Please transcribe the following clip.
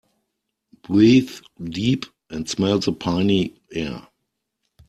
Breathe deep and smell the piny air.